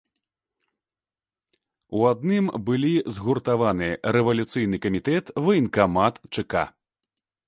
У адным былі згуртаваны рэвалюцыйны камітэт, ваенкамат, чэка.